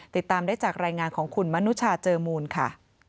ติดตามได้จากรายงานของคุณมนุชาเจอมูลค่ะ